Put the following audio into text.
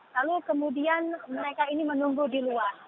lalu kemudian mereka ini menunggu di luar